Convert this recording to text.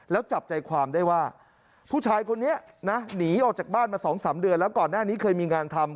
แล้วจับใจความได้ว่าผู้ชายคนนี้นะหนีออกจากบ้านมา๒๓เดือนแล้วก่อนหน้านี้เคยมีงานทำ